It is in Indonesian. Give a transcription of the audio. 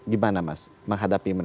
gimana mas menghadapi mas